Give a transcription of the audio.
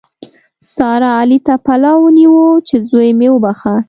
سارا؛ علي ته پلو ونیو چې زوی مې وبښه.